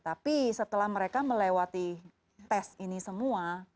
tapi setelah mereka melewati tes ini semua